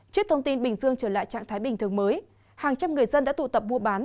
trước thông tin bình dương trở lại trạng thái bình thường mới hàng trăm người dân đã tụ tập mua bán